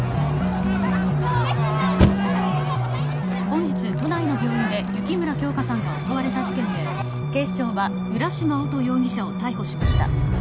本日都内の病院で雪村京花さんが襲われた事件で警視庁は浦島乙容疑者を逮捕しました。